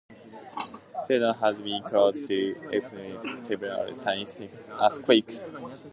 Seddon has been close to the epicentres of several significant earthquakes.